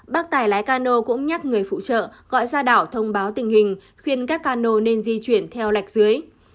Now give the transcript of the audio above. bác tài lái cano cũng nhắc người phụ trợ gọi ra đảo thông báo tình hình khuyên các cano nên di chuyển theo lạch dưới